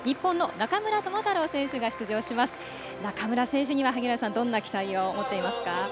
中村選手には、どんな期待を持っていますか？